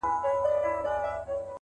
هره پوښتنه د کشف پیل دی!